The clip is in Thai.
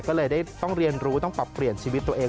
ก็เลยได้ต้องเรียนรู้ต้องปรับเปลี่ยนชีวิตตัวเอง